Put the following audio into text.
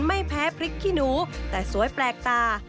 ไม่แพ้พริกขี้หนูแต่สวยแปลกตา